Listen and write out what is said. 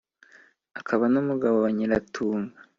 akaba n’umugabo wa Nyiratunga